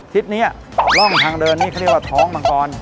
ทิศนี้ร่องทางเดินนี่เขาเรียกว่าท้องมังกร